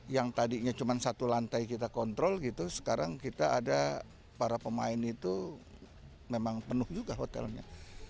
yang tadinya cuma satu lantai kita kontrol gitu sekarang kita ada para pemain itu memang penuh juga hotelnya